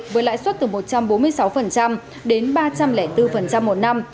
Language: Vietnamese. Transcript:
với lãi suất từ một trăm bốn mươi sáu đến ba trăm linh bốn một năm